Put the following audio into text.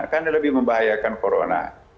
kan lebih membahayakan corona